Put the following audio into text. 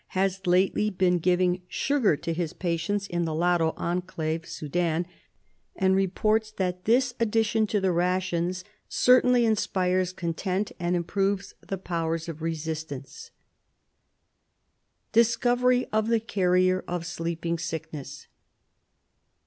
has lately been giving sugar to his patients in the Lado Enclave (Sudan), and reports that this addition to the rations certainly inspires content and im proves the powers of resistance. 30 RESEARCH DEFENCE SOCIETY Discovery of the Carrier of Sleeping Sickness.